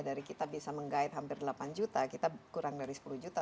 dari kita bisa menggait hampir delapan juta kita kurang dari sepuluh juta